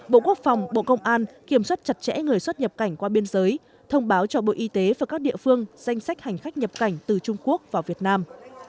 bộ quốc phòng bộ công an kiểm soát chặt chẽ người xuất nhập cảnh qua biên giới thông báo cho bộ y tế và các địa phương danh sách hành khách nhập cảnh từ trung quốc vào việt nam